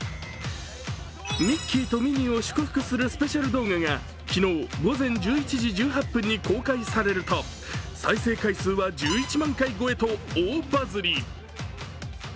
ミッキーとミニーを祝福するスペシャル動画が昨日、午前１１時１８分に公開されると、再生回数は１１万回超えと大バズり。